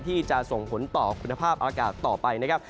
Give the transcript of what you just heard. ที่จะส่งผลต่อคุณภาพอากาศต่อไปนะครับ